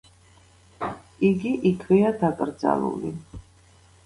იგი იქვეა დაკრძალული.